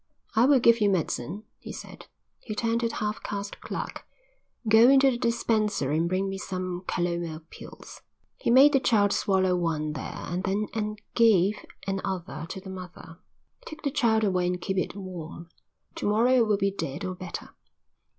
"I will give you medicine," he said. He turned to the half caste clerk. "Go into the dispensary and bring me some calomel pills." He made the child swallow one there and then and gave another to the mother. "Take the child away and keep it warm. To morrow it will be dead or better."